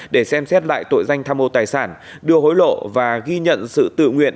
để xem xét lại tội danh tham mô tài sản đưa hối lộ và ghi nhận sự tự nguyện